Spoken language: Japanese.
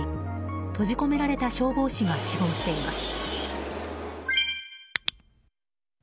閉じ込められた消防士が死亡しています。